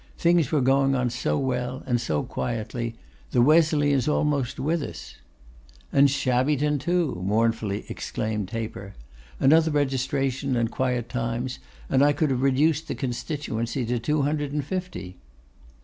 Things were going on so well and so quietly! The Wesleyans almost with us!' 'And Shabbyton too!' mournfully exclaimed Taper. 'Another registration and quiet times, and I could have reduced the constituency to two hundred and fifty.